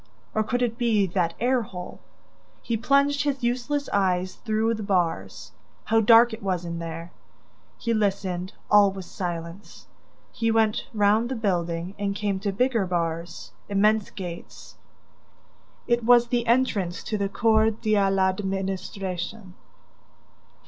... Or could it be that air hole? ... He plunged his useless eyes through the bars ... How dark it was in there! ... He listened ... All was silence! ... He went round the building ... and came to bigger bars, immense gates! ... It was the entrance to the Cour de l'Administration.